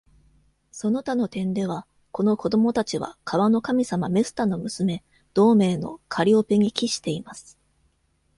その他の点では、この子供達は川の神様メスタの娘、同名のカリオペに帰しています。